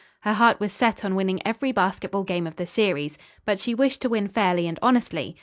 Her heart was set on winning every basketball game of the series. But she wished to win fairly and honestly.